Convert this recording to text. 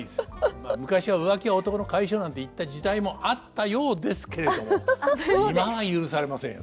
まあ昔は「浮気は男の甲斐性」なんて言った時代もあったようですけれども今は許されませんよ